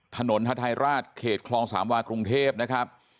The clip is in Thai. ถนนฮาทายราชเขตคลองสามวากรุงเทพนะครับ